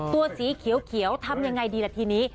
ตัวสีเขียวทำอย่างไรดีละทีนี้